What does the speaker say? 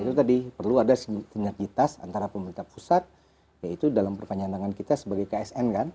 itu tadi perlu ada sinergitas antara pemerintah pusat yaitu dalam perpanjangan tangan kita sebagai ksn kan